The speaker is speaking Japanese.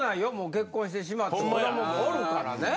結婚してしまって子供もおるからね。